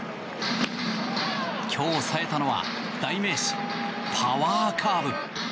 今日冴えたのは代名詞、パワーカーブ。